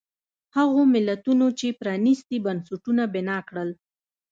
هغو ملتونو چې پرانیستي بنسټونه بنا کړل.